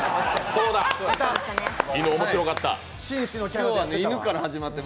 そうだ、いぬ面白かった。